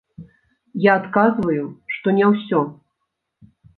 Я адказваю, што не ўсё!